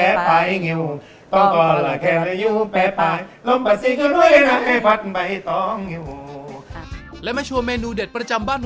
บ้านหนูไม่ต้องบอกว่าบ้านหลังที่ไหนบ้านเย็น